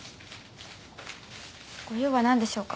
ご用は何でしょうか？